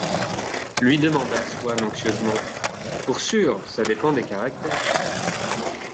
lui demanda Swann anxieusement. —« Pour sûr! ça dépend des caractères !